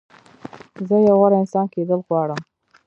زه یو غوره انسان کېدل غواړم.